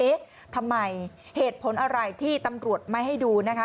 เอ๊ะทำไมเหตุผลอะไรที่ตำรวจไม่ให้ดูนะคะ